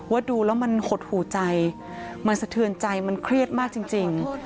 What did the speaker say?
ดูแล้วมันหดหูใจมันสะเทือนใจมันเครียดมากจริง